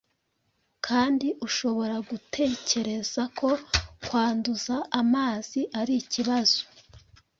kandi ushobora gutekereza ko kwanduza amazi arikibazo. .